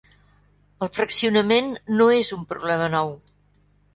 El fraccionament no és un problema nou.